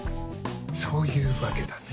そういうわけだね？